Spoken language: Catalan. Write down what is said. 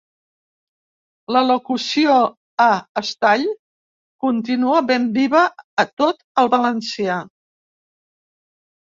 La locució a estall continua ben viva a tot el valencià.